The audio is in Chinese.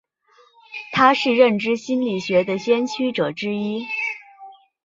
他是认知心理学的先驱者之一。